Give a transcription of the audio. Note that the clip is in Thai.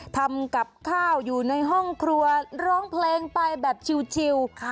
ทำกับข้าวอยู่ในห้องครัวร้องเพลงไปแบบชิล